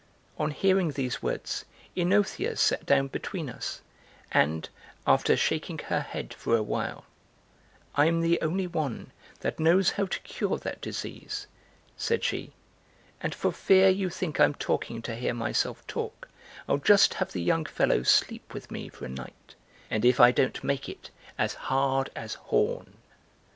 On hearing these words, OEnothea sat down between us and, after shaking her head for a while, "I'm the only one that knows how to cure that disease," said she, "and for fear you think I'm talking to hear myself talk, I'll just have the young fellow sleep with me for a night, and if I don't make it as hard as horn!